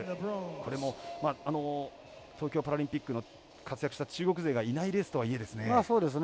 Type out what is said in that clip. これも東京パラリンピックの活躍した中国勢がいないレースとはいえですね。